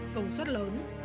công suất lớn